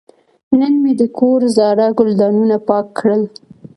نن مې د کور زاړه ګلدانونه پاک کړل.